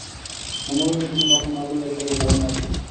হেমনলিনী কোনো কথা না বলিয়া কেবল ঘাড় নাড়িল।